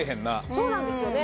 そうなんですよね。